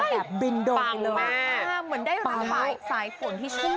เหมือนได้รถถ่ายสายผลที่ชุด